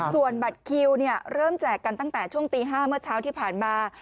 ส่วนบัตรคิวเริ่มแจกกันตั้งแต่ช่วงตี๕เมื่อเช้าที่ผ่านมา